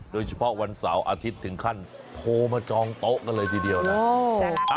โดยเฉพาะวันเสาร์อาทิตย์ถึงขั้นโทรมาจองโต๊ะกันเลยทีเดียวนะ